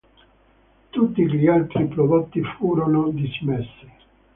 Tutti gli altri prodotti furono dismessi.